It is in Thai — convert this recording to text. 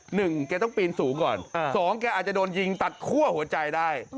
หนึ่งแกต้องปีนสูงก่อนสองแกอาจจะโดนยิงตัดคั่วหัวใจได้